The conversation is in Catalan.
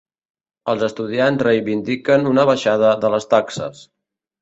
Els estudiants reivindiquen una baixada de les taxes.